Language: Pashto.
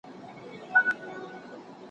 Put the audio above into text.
د کارونو لیست جوړول یو ښه پلان دی.